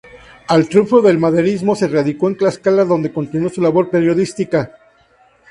Al triunfo del maderismo, se radicó en Tlaxcala donde continuó su labor periodística.